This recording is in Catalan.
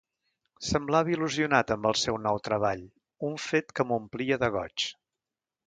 Semblava il·lusionat amb el seu nou treball, un fet que m'omplia de goig.